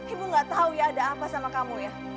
ibu gak tahu ya ada apa sama kamu ya